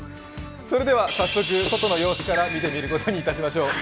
早速外の様子から見てみることにいたしましょう。